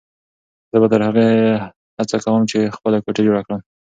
زه به تر هغو هڅه کوم چې خپله کوټه جوړه کړم.